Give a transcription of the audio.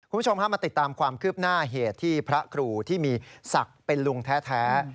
คุณผู้ชมพามาติดตามความคืบหน้าเหตุที่พระครูที่มีศักดิ์เป็นลุงแท้